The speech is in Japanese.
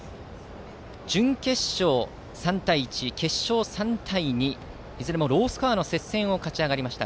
準決勝、３対１決勝、３対２いずれもロースコアの接戦を勝ち抜きました。